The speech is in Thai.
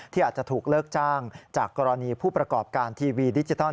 อาจจะถูกเลิกจ้างจากกรณีผู้ประกอบการทีวีดิจิทัล